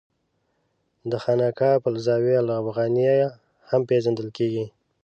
دا خانقاه په الزاویة الافغانیه هم پېژندل کېږي.